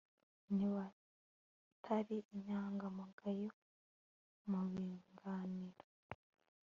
ntibatari inyangamugayo mubiganiro